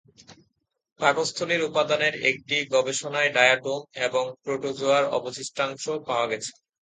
পাকস্থলীর উপাদানের একটি গবেষণায় ডায়াটোম এবং প্রোটোজোয়ার অবশিষ্টাংশ পাওয়া গেছে।